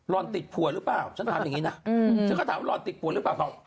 อนติดผัวหรือเปล่าฉันถามอย่างนี้นะฉันก็ถามว่ารอนติดผัวหรือเปล่า